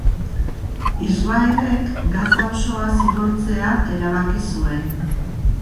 Israelek Gaza osoa zigortzea erabaki zuen.